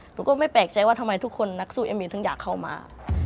หนูก็ไม่แปลกใจว่าทำไมทุกคนนักสู้เอ็มมีนถึงอยากเข้ามา